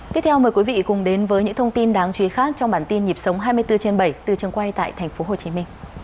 tiếp theo mời quý vị cùng đến với những thông tin đáng chú ý khác trong bản tin nhịp sống hai mươi bốn trên bảy từ trường quay tại tp hcm